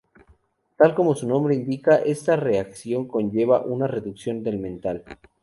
Tal como su nombre indica, esta reacción conlleva una reducción del metal.